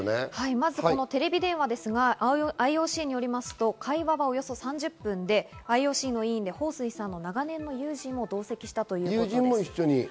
まずテレビ電話ですがＩＯＣによりますと会話はおよそ３０分で、ＩＯＣの委員でホウ・スイさんの長年の友人も同席したといいます。